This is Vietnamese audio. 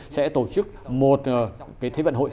sẽ tổ chức một cái thế vận hội